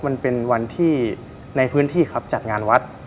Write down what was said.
มันเป็นวันที่ในพื้นที่ครับจัดงานวัด